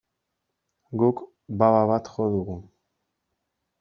Guk baba bat jo dugu.